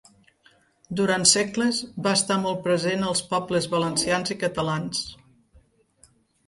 Durant segles, va estar molt present als pobles valencians i catalans.